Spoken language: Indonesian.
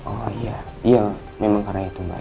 oh iya iya memang karena itu mbak